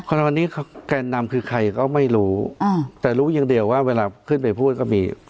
ในวันนี้แกนนำคือใครก็ไม่รู้แต่รู้อย่างเดียวว่าเวลาขึ้นไปพูดก็มี